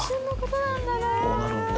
どうなるんだ。